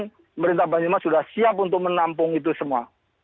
pemerintah banyumas sudah siap untuk menampung itu semua